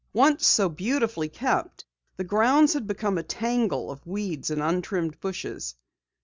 Once so beautifully kept, the grounds had become a tangle of weeds and untrimmed bushes.